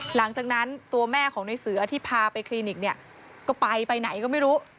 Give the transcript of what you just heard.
หลังจากนั้นตัวแม่ของในเสือที่พาไปคลินิกเนี่ยก็ไปไปไหนก็ไม่รู้